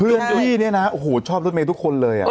เพื่อนที่เนี่ยนะโอ้โหชอบลัวเมย์ทุกคนเลยอ่ะ